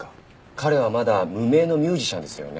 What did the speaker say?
彼はまだ無名のミュージシャンですよね？